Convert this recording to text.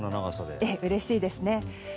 うれしいですね。